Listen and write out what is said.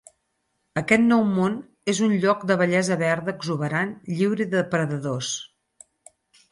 Aquest nou món és un lloc de bellesa verda exuberant lliure de predadors.